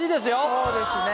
そうですね